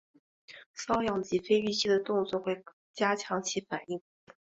搔痒及非预期的动作会加强其反应。